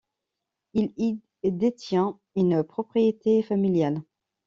Il y détient une propriété familiale.